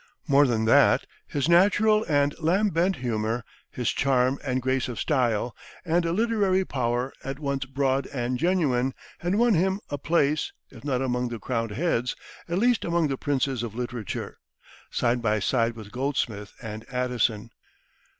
More than that, his natural and lambent humor, his charm and grace of style, and a literary power at once broad and genuine, had won him a place, if not among the crowned heads, at least mong the princes of literature, side by side with Goldsmith and Addison.